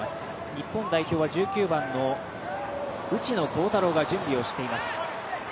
日本代表は１９番、内野航太郎が準備をしています。